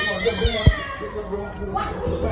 ไม่มีทางที่หรอ